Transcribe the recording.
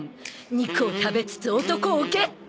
肉を食べつつ男をゲット！